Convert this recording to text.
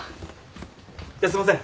じゃあすいません。